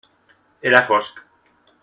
Era fosc.